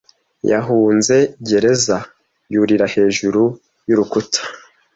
Yahunze gereza yurira hejuru y'urukuta.